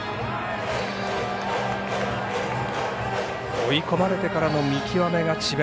追い込まれてからの見極めが智弁